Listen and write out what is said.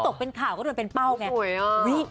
ก็โดนเป็นเป้าไง